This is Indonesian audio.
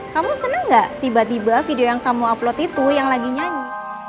kamu senang gak tiba tiba video yang kamu upload itu yang lagi nyanyi